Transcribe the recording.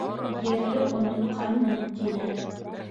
Ерле онотҡанмын, — тине.